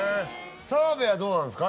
澤部はどうなんですか？